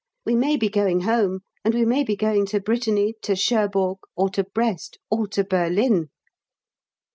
We may be going home, and we may be going to Brittany, to Cherbourg, or to Brest, or to Berlin.